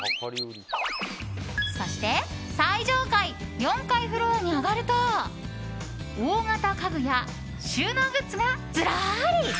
そして最上階４階フロアに上がると大型家具や収納グッズがずらり。